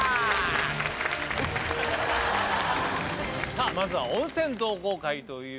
さぁまずは「温泉同好会」ということですが。